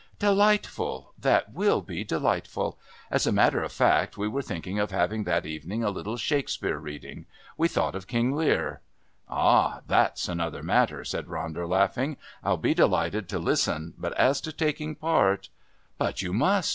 "Delightful! That will be delightful! As a matter of fact we were thinking of having that evening a little Shakespeare reading. We thought of King Lear." "Ah! That's another matter," said Ronder, laughing. "I'll be delighted to listen, but as to taking part " "But you must!